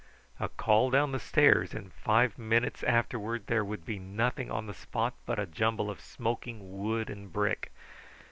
A call down the stairs, and five minutes afterward there would be nothing on the spot but a jumble of smoking wood and brick.